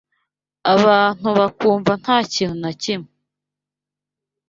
abantu bakumva nta kintu na kimwe